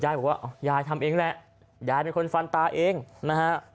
บอกว่ายายทำเองแหละยายเป็นคนฟันตาเองนะฮะ